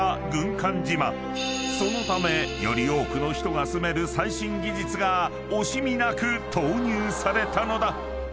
［そのためより多くの人が住める最新技術が惜しみなく投入されたのだ］